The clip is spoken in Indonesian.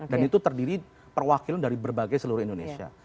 dan itu terdiri perwakilan dari berbagai seluruh indonesia